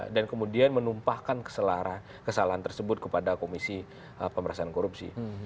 dan kemudian menumpahkan kesalahan tersebut kepada komisi pemberasaan korupsi